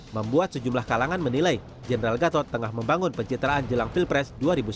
membuat sejumlah kalangan menilai general gatot tengah membangun pencitraan jelang pilpres dua ribu sembilan belas